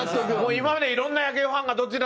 今まで、いろんな野球ファンがどっちだ？